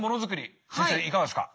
先生いかがですか。